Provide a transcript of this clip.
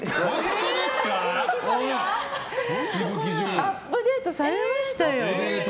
アップデートされましたよ。